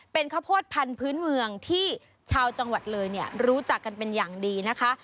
เป็นข้าวโพดพันธุ์พื้นเมืองที่ชาวจังหวัดเลยเนี่ยรู้จักกันเป็นอย่างดีนะคะ